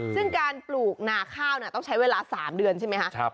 ซึ่งการปลูกนาข้าวต้องใช้เวลา๓เดือนใช่ไหมคะ